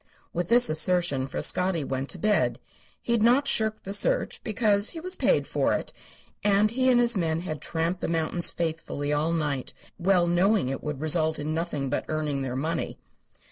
With this assertion Frascatti went to bed. He had not shirked the search, because he was paid for it, and he and his men had tramped the mountains faithfully all night, well knowing it would result in nothing but earning their money.